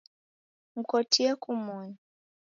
Mkotie kumoni.